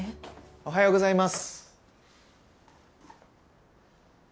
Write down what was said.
おはようございます。